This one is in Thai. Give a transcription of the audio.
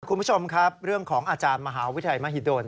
คุณผู้ชมครับเรื่องของอาจารย์มหาวิทยาลัยมหิดล